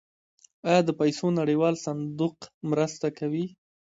آیا د پیسو نړیوال صندوق مرسته کوي؟